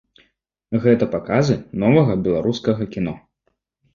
Гэта паказы новага беларускага кіно.